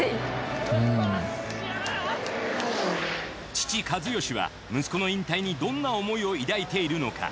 父一義は息子の引退にどんな思いを抱いているのか。